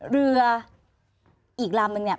เรืออีกลำนึงเนี่ย